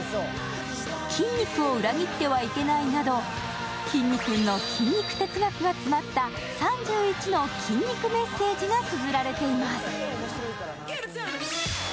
筋肉を裏切ってはいけないなどきんに君の筋肉哲学が詰まった３１の筋肉メッセージがつづられています。